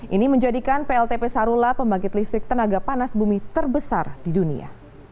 ini menjadikan pltp sarula pembangkit listrik tenaga panas bumi terbesar di dunia